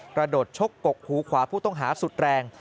กระโดดชกกหูขวาผู้ต้องหาสุดแรง